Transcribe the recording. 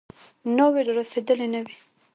ناوې رارسېدلې نه وي.